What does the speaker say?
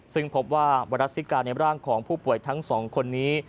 ซึ่งพบว่าไวรัสซิกาในร่างของผู้ป่วยทั้งสองคนนี้